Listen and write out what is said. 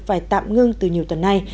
phải tạm ngưng từ nhiều tuần này